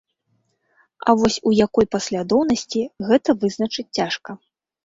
А вось у якой паслядоўнасці, гэта вызначыць цяжка.